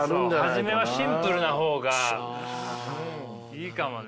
初めはシンプルな方がいいかもね。